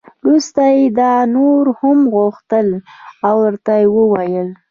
وروسته یې دا نور هم وغوښتل او ورته یې وویل.